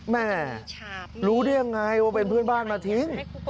แม่รู้ได้ยังไงว่าเป็นเพื่อนบ้านมาทิ้ง